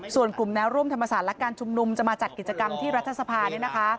ส่วนกลุ่มแนวร่วมธรรมศาสตร์และการชุมนุมจะมาจัดกิจกรรมที่รัฐสภาเนี่ยนะคะ